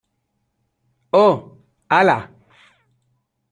oh... ¡ hala!